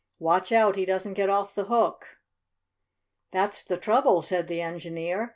Watch out he doesn't get off the hook." "That's the trouble," said the engineer.